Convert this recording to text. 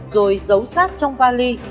rồi giấu sát trong vali